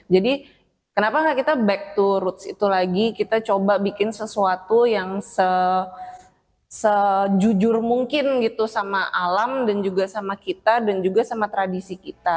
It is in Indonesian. jadi kenapa gak kita back to roots itu lagi kita coba bikin sesuatu yang sejujur mungkin gitu sama alam dan juga sama kita dan juga sama tradisi kita